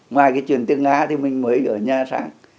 ngoài cái chuyện tiếng nga thì mình mới ở nhà sáng